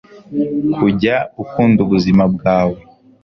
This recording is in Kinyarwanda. kujya ukunda ubuzima bwawe.